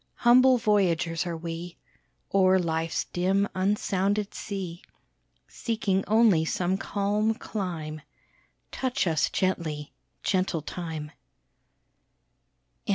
Humble voyagers are we, O'er life's dim unsounded sea, Seeking only some calm clime; Touch us gently, gentle Time!